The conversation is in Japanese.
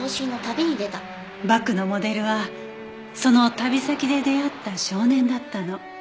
バクのモデルはその旅先で出会った少年だったの。